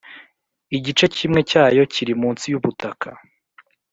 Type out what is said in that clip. igice kimwe cyayo kiri munsi y ubutaka.